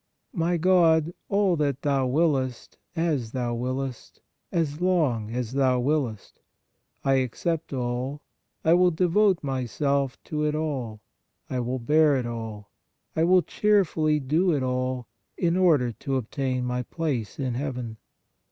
My God, all that Thou wiliest, as Thou wiliest, as long as Thou wiliest ! I accept all ; I will devote myself to it all; I will bear it all; I will cheerfully do it all, in order to obtain my place in Heaven!